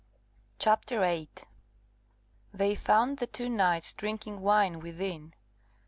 CHAPTER 8 They found the two knights drinking wine within.